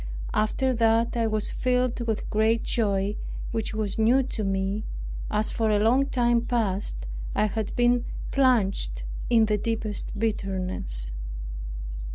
After that I was filled with great joy, which was new to me, as for a long time past I had been plunged in the deepest bitterness.